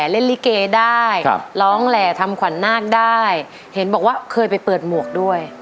เล่นลิเกได้ร้องแหล่ทำขวัญนาคได้เห็นบอกว่าเคยไปเปิดหมวกด้วย